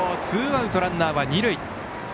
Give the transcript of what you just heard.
ツーアウト、ランナーは二塁。